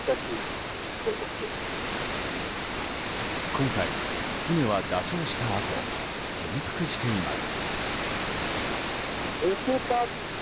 今回、船は座礁したあと転覆しています。